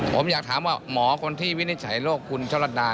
ผมอยากถามว่าหมอคนที่วินิจฉัยโรคคุณชะลัดดา